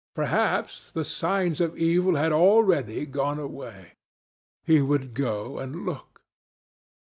Perhaps the signs of evil had already gone away. He would go and look.